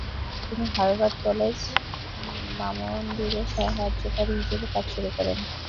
তিনি Harvard college মানমন্দিরে সহকারী হিসেবে কাজ শুরু করেন।